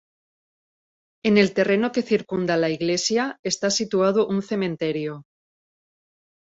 En el terreno que circunda a la iglesia está situado un cementerio.